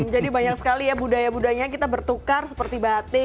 jadi banyak sekali ya budaya budaya kita bertukar seperti batik